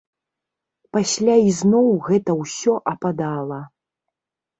Пасля ізноў гэта ўсё ападала.